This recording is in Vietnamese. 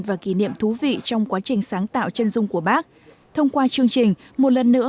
và kỷ niệm thú vị trong quá trình sáng tạo chân dung của bác thông qua chương trình một lần nữa